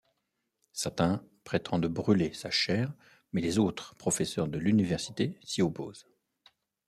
Certains prétendent brûler sa chaire mais les autres professeurs de l'université s'y opposent.